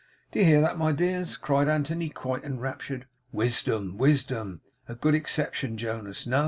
'Do you hear that, my dears?' cried Anthony, quite enraptured. 'Wisdom, wisdom! A good exception, Jonas. No.